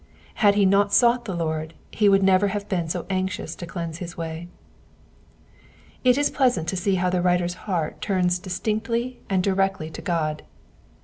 Had he not sought the Lord he would never have been so anxious to cleanse his way. It is pleasant to see how the writer^s heart turns distinctly and directly to God.